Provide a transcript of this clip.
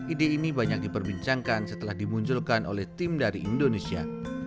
ide ini banyak diperbincangkan setelah dimunculkan oleh tim dari indonesia